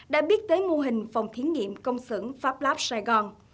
đã biết tới mô hình phòng thiến nghiệm công sử pháp lab sài gòn